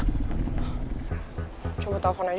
maaf gambengernya nanti mami